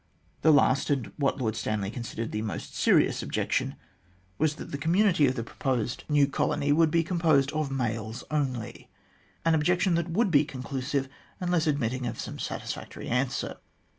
The last, and what Lord Stanley considered the most serious objection was, that the community of the proposed THE GENESIS OF THE GLADSTONE COLONY 17 new colony would be composed of males only an objection that would be conclusive, unless admitting of some satis factory answer.